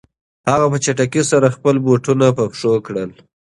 هغه په چټکۍ سره خپلې بوټان په پښو کړل.